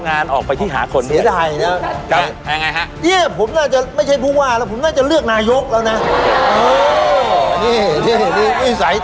ก็ไม่ใช่ชัดชาติไงแล้วผมก็เลยห่วงไง